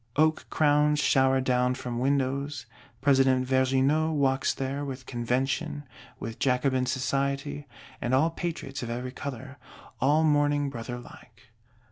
Oak crowns shower down from windows; President Vergniaud walks there, with Convention, with Jacobin Society, and all Patriots of every color, all mourning brother like.